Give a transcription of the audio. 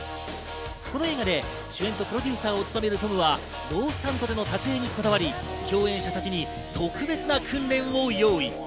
この映画で主演とプロデューサーを務めるトムはノースタントでの撮影にこだわり、共演者たちに特別な訓練を用意。